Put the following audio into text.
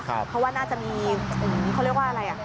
เพราะว่าน่าจะมีเขาเรียกว่าอะไร